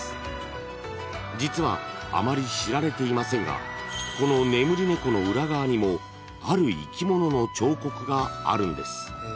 ［実はあまり知られていませんがこの眠り猫の裏側にもある生き物の彫刻があるんです］